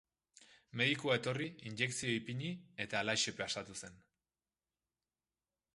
Medikua etorri, injekzioa ipini eta halaxe pasatu zen.